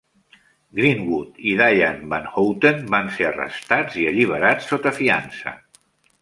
Greenwood i Dyanne Van Houten van ser arrestats y alliberats sota fiança.